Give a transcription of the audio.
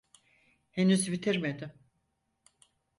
Henüz bitirmedim.